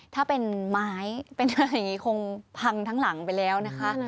ถ้าเป็นไม้คงพังทั้งหลังไปแล้วนะคะ